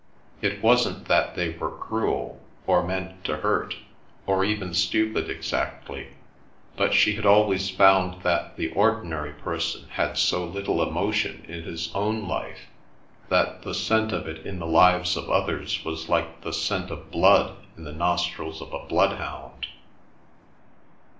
It wasn't that they were cruel, or meant to hurt, or even stupid exactly; but she had always found that the ordinary person had so little emotion in his own life that the scent of it in the lives of others was like the scent of blood in the nostrils of a bloodhound.